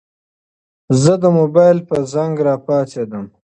زه د موبايل په زنګ راپاڅېدم.